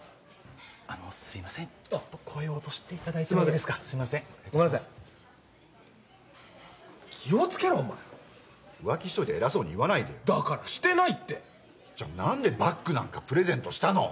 あのすいませんちょっと声を落としていただいてもいいですかすいませんごめんなさい気をつけろお前浮気しといて偉そうに言わないでだからしてないってじゃ何でバッグなんかプレゼントしたの？